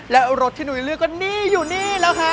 แล้วรถที่นุ้ยเลือกก็นี่อยู่นี่แล้วค่ะ